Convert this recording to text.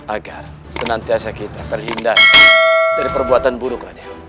agar senantiasa kita terhindar dari perbuatan buruk